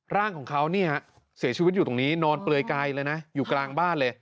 ร่างของเขานี่ฮะเสียชีวิตอยู่ตรงนี้นอนเปลือยกายเลยนะอยู่กลางบ้านเลย